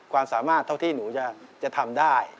ความสามารถเท่าที่หนูจะทำได้